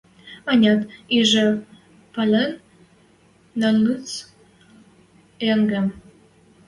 Ӓнят, ижӹ пӓлен нӓльӹц йӓнгем?